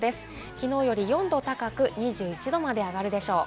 昨日より４度高く、２１度まで上がるでしょう。